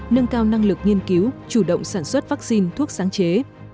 nâng cao năng lực nghiên cứu chủ động sản xuất vaccine thuốc sáng chế